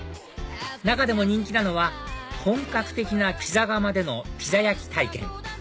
中でも人気なのは本格的なピザ窯でのピザ焼き体験